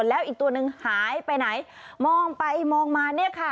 แล้วอีกตัวหนึ่งหายไปไหนมองไปมองมาเนี่ยค่ะ